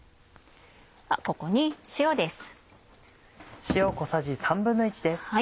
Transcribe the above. ここに塩です。